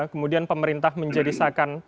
kemudian pemerintah menjadi sakan